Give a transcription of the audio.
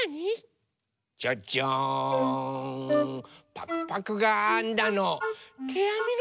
パクパクがあんだの。